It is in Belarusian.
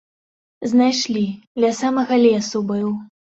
Знайшлі, ля самага лесу быў.